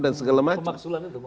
dan segala macam